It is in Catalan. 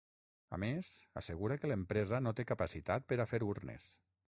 A més, assegura que l’empresa no té capacitat per a fer urnes.